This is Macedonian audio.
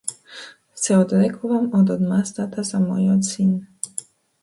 Се одрекувам од одмаздата за мојот син.